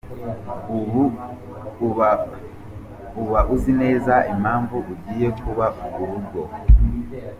Uba uzi neza impamvu ugiye kuba urugo .